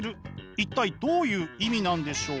一体どういう意味なんでしょう？